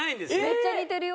めっちゃ似てるよ。